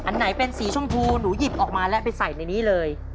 อันไหนเป็นสีชมพูหนูหยิบออกมาแล้วไปใส่ในนี้เลย